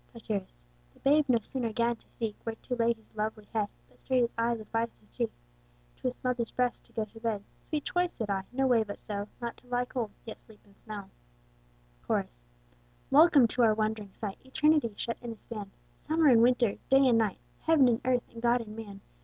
Tityrus. The babe no sooner 'gan to seek Where to lay his lovely head, But straight his eyes advis'd his cheek, 'Twixt mother's breasts to go to bed. Sweet choice (said I) no way but so, Not to lie cold, yet sleep in snow. Chorus. Welcome to our wond'ring sight Eternity shut in a span! Summer in winter! Day in night! Heaven in Earth! and God in Man!